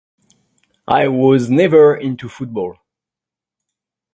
I was never into football.